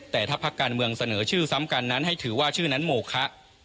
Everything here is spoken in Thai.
แต่ถ้าพักการเมืองเสนอชื่อซ้ำกันนั้นให้ถือว่าชื่อนั้นโมคะ